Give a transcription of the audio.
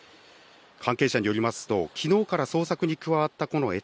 関係者によりますと、きのうから捜索に加わったこのえ